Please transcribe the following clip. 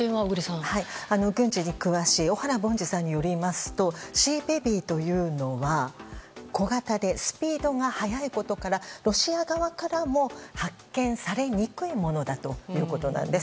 軍事に詳しい小原凡司さんによりますとシーベビーというのは小型でスピードが速いことからロシア側からも発見されにくいものだということです。